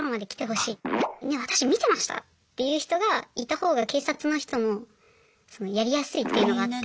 「私見てました」っていう人がいたほうが警察の人もやりやすいっていうのがあって。